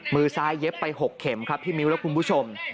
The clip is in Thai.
มือซ้ายเย็บไป๖เข็มครับพี่มิ้วและคุณผู้ชม